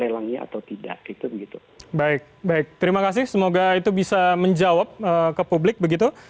lelangnya atau tidak itu begitu baik baik terima kasih semoga itu bisa menjawab ke publik begitu